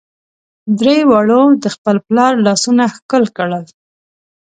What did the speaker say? درې واړو د خپل پلار لاسونه ښکل کړل.